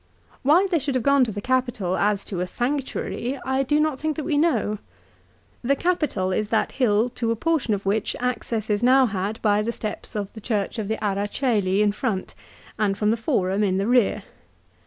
Why they should have gone to the Capitol as to a sanctuary I do not think that we know. The Capitol is that hill to a portion of which access is now had by the steps of the church of the Ara Cceli in front, and from the Forum in the rear.